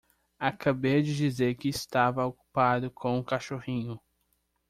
Acabei de dizer que estava ocupado com o cachorrinho.